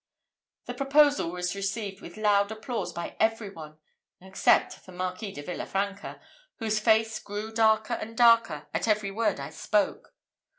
The proposal was received with loud applause by every one, except the Marquis de Villa Franca, whose face grew darker and darker at every word I spoke.